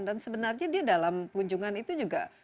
dan sebenarnya dia dalam kunjungan itu juga